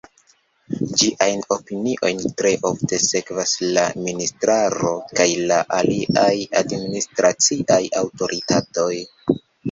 Ĝiajn opiniojn tre ofte sekvas la ministraro kaj la aliaj administraciaj aŭtoritatoj.